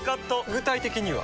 具体的には？